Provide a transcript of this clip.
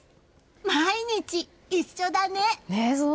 毎日、一緒だね！